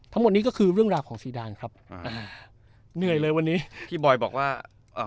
ทั้งหมดนี้ก็คือเรื่องราวของซีดานครับอ่าเหนื่อยเลยวันนี้พี่บอยบอกว่าอ่า